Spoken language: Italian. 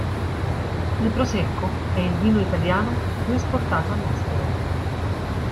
Il prosecco è il vino italiano più esportato all'estero.